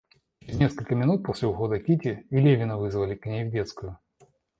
Через несколько минут после ухода Кити, и Левина вызвали к ней в детскую.